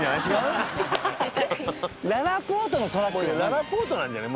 ららぽーとなんじゃない？